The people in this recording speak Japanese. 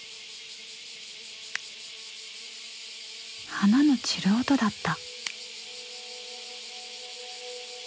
花の散る音だった。